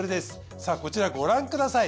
さあこちらご覧ください。